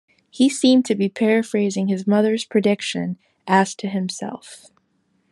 He seemed to be paraphrasing his mother's prediction as to himself.